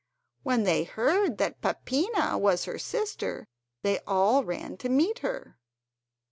When they heard that Peppina was her sister, they all ran to meet her.